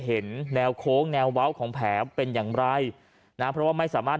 เห็นแนวโค้งแนวเว้าของแผลเป็นอย่างไรนะเพราะว่าไม่สามารถ